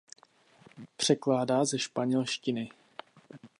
Překládá ze španělštiny.